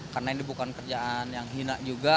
karena ini bukan kerjaan yang hina juga